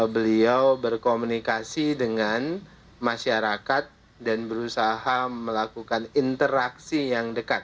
beliau berkomunikasi dengan masyarakat dan berusaha melakukan interaksi yang dekat